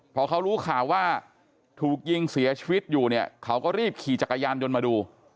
พอเขารู้ข่าวว่าถูกยิงเสียชีวิตอยู่เนี่ยเขาก็รีบขี่จักรยานยนต์มาดู